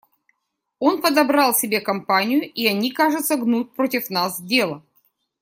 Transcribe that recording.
Он подобрал себе компанию, и они, кажется, гнут против нас дело.